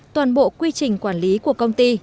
toàn bộ quy trình quản lý của công ty